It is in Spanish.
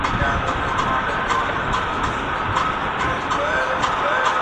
Fue enterrado en los Estados Unidos.